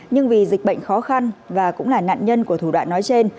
nhưng vì dịch bệnh khó khăn và cũng là nạn nhân của thủ đoạn nói trên